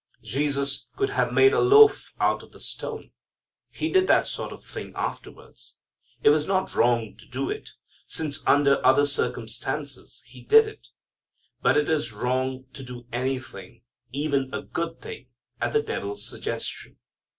Jesus could have made a loaf out of the stone. He did that sort of thing afterwards. It was not wrong to do it, since, under other circumstances, He did it. But it is wrong to do anything, even a good thing, at the devil's suggestion.